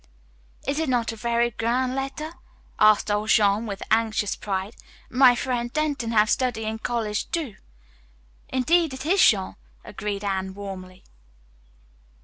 "Is it not a very gran' letter?" asked old Jean with anxious pride. "My frien' Denton have study in college, too." "Indeed it is, Jean," agreed Anne warmly.